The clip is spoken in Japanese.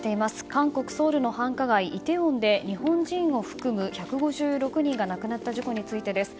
韓国ソウルの繁華街イテウォンで日本人を含む１５６人が亡くなった事故についてです。